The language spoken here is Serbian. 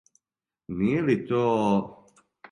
Није ли то?